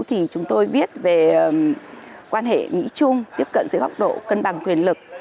thì chúng tôi viết về quan hệ nghĩ chung tiếp cận với góc độ cân bằng quyền lực